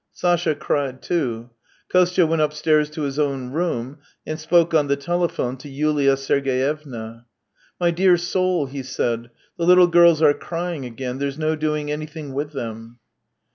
Sasha cried too. Kostya went upstairs to his own room, and spoke on the telephone to Yulia Sergeyevna. " My dear soul," he said, " the little girls are crying again; there's no doing anything with them."